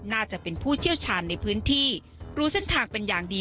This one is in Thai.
น่าจะเป็นผู้เชี่ยวชาญในพื้นที่รู้เส้นทางเป็นอย่างดี